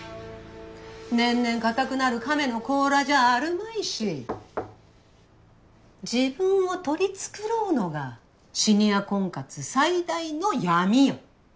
年々硬くなる亀の甲羅じゃあるまいし自分を取り繕うのがシニア婚活最大の闇よ。